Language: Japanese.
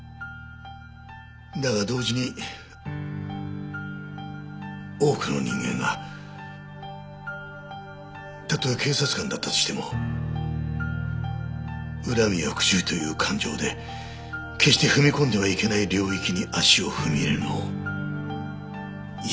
だが同時に多くの人間がたとえ警察官だったとしても恨みや復讐という感情で決して踏み込んではいけない領域に足を踏み入れるのを嫌というほど見てきた。